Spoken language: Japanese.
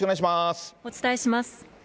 お伝えします。